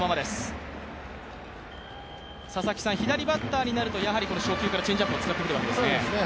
左バッターになると初球からチェンジアップを使ってきますね。